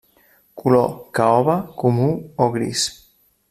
Color: caoba, comú o gris.